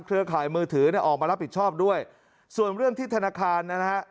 รับผิดชอบด้วยส่วนเรื่องที่ธนาคารนะฮะ